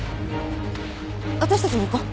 私たちも行こう。